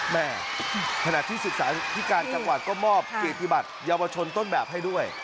ขณะที่ศึกษาธิการจังหวัดก็มอบเกียรติบัตรเยาวชนต้นแบบให้ด้วย